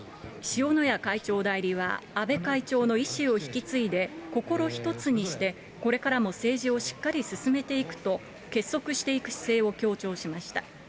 塩谷会長代理は、安倍会長の遺志を引き継いで、心一つにして、これからも政治をしっかり進めていくと、結束していく姿勢を強調しました。